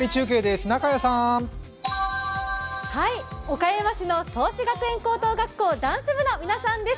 岡山市の創志学園高等学校ダンス部の皆さんです。